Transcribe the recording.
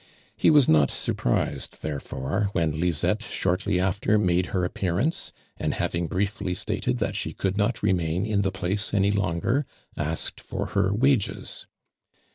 He was not surprised therefore when Lizette shortly after made her ap peai ance, and having briefly stated that she could not remain in the place any longer, asked for her wages.